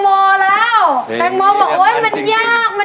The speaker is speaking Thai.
เบอร์ทั้งสิว่าว